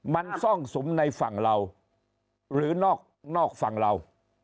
มันซ่องสุมในฝั่งเราหรือนอกฝั่งเรา